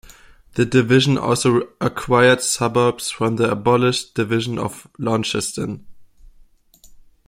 The division also acquired suburbs from the abolished Division of Launceston.